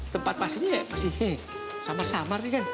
tempat pastinya ya pasti samar samar nih kan